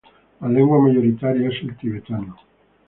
La lengua mayoritaria es el tibetano.